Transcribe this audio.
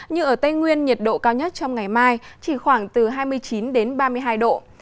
như ở tây nguyên nhiệt độ cao nhất trong ngày mai chỉ khoảng từ hai mươi chín đến ba mươi hai độ